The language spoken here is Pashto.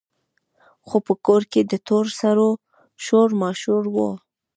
خو په کور کې د تور سرو شور ماشور وو.